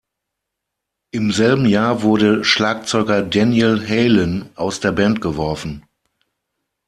Im selben Jahr wurde Schlagzeuger Daniel Halen aus der Band geworfen.